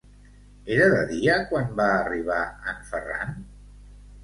Era de dia quan va arribar en Ferran?